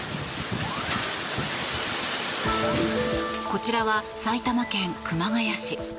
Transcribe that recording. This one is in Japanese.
こちらは埼玉県熊谷市。